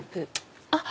あっ！